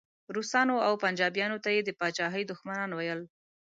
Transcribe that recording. روسانو او پنجابیانو ته یې د پاچاهۍ دښمنان ویل.